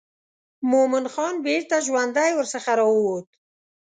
مومن خان بیرته ژوندی ورڅخه راووت.